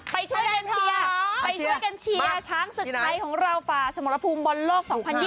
ไปช่วยกันเชียร์ช้างสุดใดของเราฝ่าสมรพลมบอลโลก๒๐๒๒